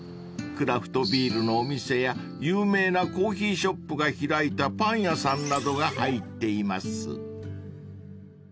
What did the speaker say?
［クラフトビールのお店や有名なコーヒーショップが開いたパン屋さんなどが入っています］